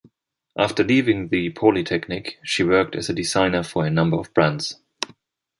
After leaving the Polytechnic she worked as a designer for a number of brands.